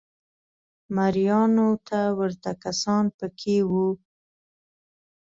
مریانو ته ورته کسان په کې وو